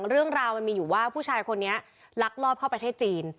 เรื่องราวมันมีอยู่ว่าผู้ชายคนนี้ลักลอบเข้าประเทศจีน